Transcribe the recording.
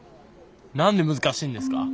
何で難しいんですか？